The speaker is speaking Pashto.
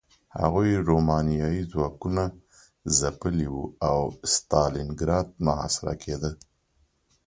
هغوی رومانیايي ځواکونه ځپلي وو او ستالینګراډ محاصره کېده